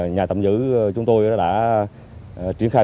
nhà tạm giữ chúng tôi đã triển khai